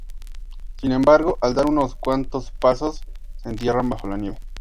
Sin embargo, al dar unos cuantos pasos se entierran bajo la nieve.